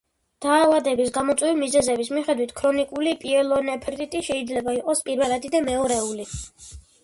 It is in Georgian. დაავადების გამომწვევი მიზეზების მიხედვით ქრონიკული პიელონეფრიტი შეიძლება იყოს პირველადი და მეორეული.